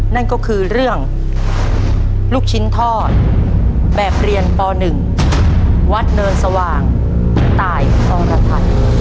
นั่นก็คือเรื่องลูกชิ้นทอดแบบเรียนป๑วัดเนินสว่างตายอรไทย